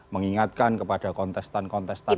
mengingatkan kepada kontestan kontestan